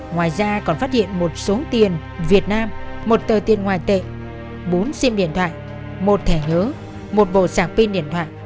ngoài ra còn phát hiện một số tiền việt nam một tờ tiền ngoài tệ bốn sim điện thoại một thẻ nhớ một bộ sạc pin điện thoại